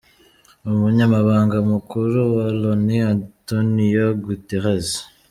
Umunyamabanga mukuru wa Loni, Antonio Guterres